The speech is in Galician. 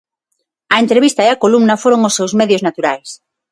A entrevista e a columna foron os seus medios naturais.